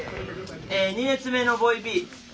２列目のボイビ。